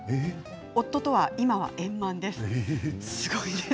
夫とは今は円満です。